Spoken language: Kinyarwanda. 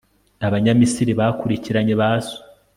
abanyamisiri bakurikiranye ba so